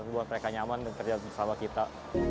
buat mereka nyaman dan kerja bersama kita